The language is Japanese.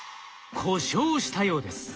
故障したようです。